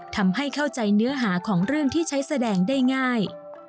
ทำให้เข้าใจเนื้อหาของเรื่องที่ใช้แสดงได้ง่าย